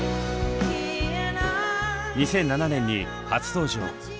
２００７年に初登場。